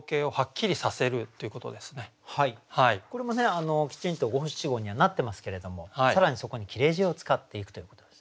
これもきちんと五七五にはなってますけれども更にそこに切字を使っていくということですね。